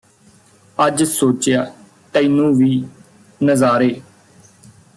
ਅੱਜ ਸੋਚਿਆ ਤੈਨੂੰ ਵੀ ਨਜ਼ਾਰੇ ਵੇਖਾ ਲਿਆਵਾਂ